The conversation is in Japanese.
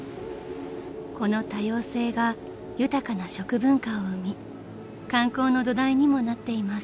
［この多様性が豊かな食文化を生み観光の土台にもなっています］